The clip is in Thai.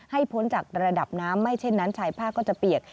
พ้นจากระดับน้ำไม่เช่นนั้นชายผ้าก็จะเปียก